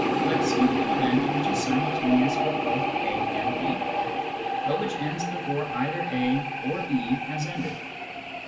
Let C be an event which is simultaneous with both A and B, but which ends before either A or B has ended.